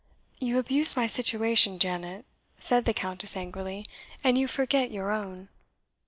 "You abuse my situation, Janet," said the Countess, angrily, "and you forget your own."